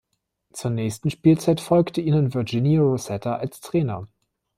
Zur nächsten Spielzeit folgte ihnen Virginio Rosetta als Trainer.